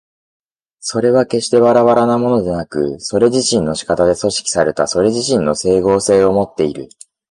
それは決してばらばらなものでなく、それ自身の仕方で組織されたそれ自身の斉合性をもっている。